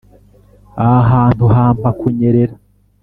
aha hantu hampa kunyerera.